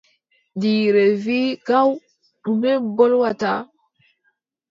Jiire wii gaw: ɗume mbolwata?